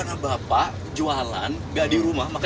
orang melukin aku